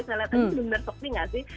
saya lihat tadi benar benar seperti nggak sih